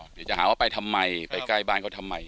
เดี๋ยวจะหาว่าไปทำไมไปใกล้บ้านเขาทำไม